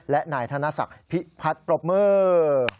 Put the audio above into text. และนายธนศักดิ์พิพัฒน์ปรบมือ